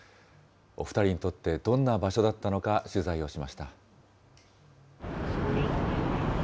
お２人にとってどんな場所だったのか、取材をしました。